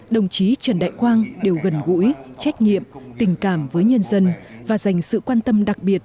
đồng chí trần đại quang đều gần gũi trách nhiệm tình cảm với nhân dân và dành sự quan tâm đặc biệt